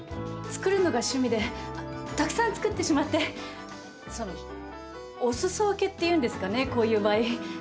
作るのが趣味でたくさん作ってしまってそのお裾分けっていうんですかねこういう場合。